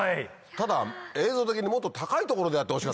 ただ映像的にもっと高い所でやってほしかったね。